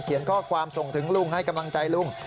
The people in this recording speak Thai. ข้อความส่งถึงลุงให้กำลังใจลุง